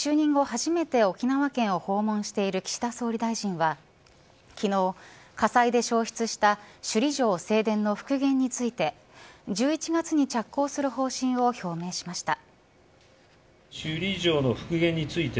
初めて沖縄県を訪問している岸田総理大臣は昨日火災で焼失した首里城正殿の復元について１１月に着工する方針を表明しました。